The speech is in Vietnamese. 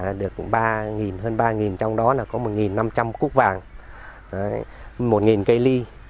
tất cả được ba hơn ba trong đó là có một năm trăm linh cúc vàng một cây ly